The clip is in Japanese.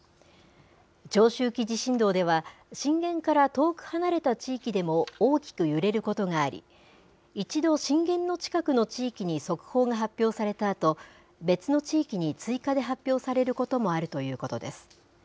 長周期地震動では、震源から遠く離れた地域でも大きく揺れることがあり、一度、震源の近くの地域に速報が発表されたあと、別の地域に追加で発表されることもあるということです。